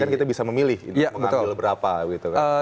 kan kita bisa memilih mengambil berapa gitu kan